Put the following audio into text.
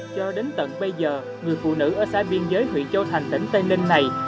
cho đến tận bây giờ người phụ nữ ở xã biên giới huyện châu thành tỉnh tây ninh này